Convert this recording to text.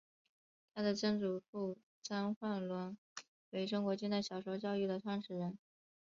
她的曾祖父张焕纶为中国近代小学教育的创始人。